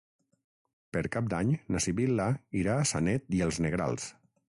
Per Cap d'Any na Sibil·la irà a Sanet i els Negrals.